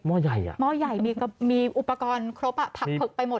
หม้อใหญ่อ่ะหม้อใหญ่มีอุปกรณ์ครบผักผึกไปหมดอ่ะ